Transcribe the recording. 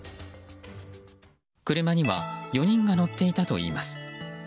車には４人が乗っていたといいます。